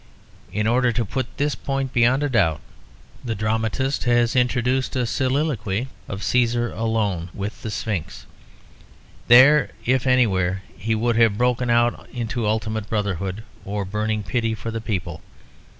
In order to put this point beyond a doubt the dramatist has introduced a soliloquy of Cæsar alone with the Sphinx. There if anywhere he would have broken out into ultimate brotherhood or burning pity for the people.